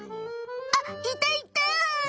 あっいたいた！